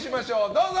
どうぞ！